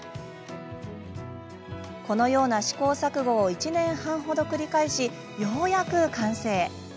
このような試行錯誤を１年半ほど繰り返しようやく完成。